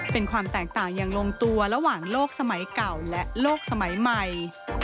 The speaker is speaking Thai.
เป็นความแตกต่างอย่างลงตัวระหว่างโลกสมัยเก่าและโลกสมัยใหม่